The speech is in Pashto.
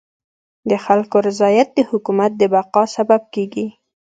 د خلکو رضایت د حکومت د بقا سبب کيږي.